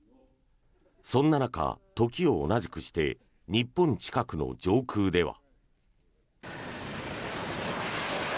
そんな中、時を同じくして日本近くの上空では。